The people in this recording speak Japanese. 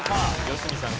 良純さん